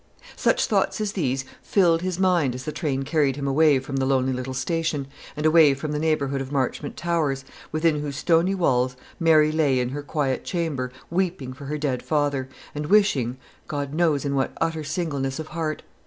Such thoughts as these filled his mind as the train carried him away from the lonely little station, and away from the neighbourhood of Marchmont Towers, within whose stony walls Mary lay in her quiet chamber, weeping for her dead father, and wishing God knows in what utter singleness of heart!